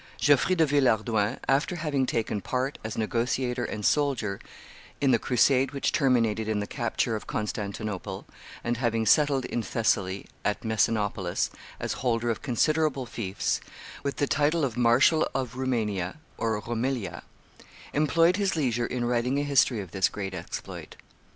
Geoffrey de Villehardouin, after having taken part, as negotiator and soldier, in the crusade which terminated in the capture of Constantinople, and having settled in Thessaly, at Messinopolis, as holder of considerable fiefs, with the title of Marshal of Romania (Roumelia), employed his leisure in writing a history of this great exploit.